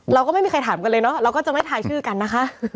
เราก็ไม่มีใครถามกันเลยเนาะเราก็จะไม่ทายชื่อกันนะคะ